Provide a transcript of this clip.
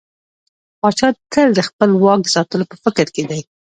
پاچا تل د خپل واک د ساتلو په فکر کې دى.